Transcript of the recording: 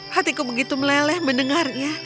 hatiku begitu meleleh mendengarnya